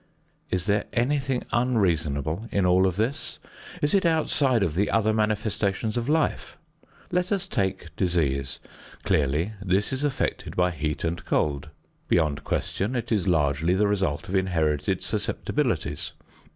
Is there anything unreasonable in all of this? Is it outside of the other manifestations of life? Let us take disease. Clearly this is affected by heat and cold; beyond question it is largely the result of inherited susceptibilities.